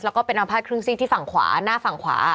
แล้วก็เป็นอาภาษณครึ่งซีกที่ฝั่งขวาหน้าฝั่งขวา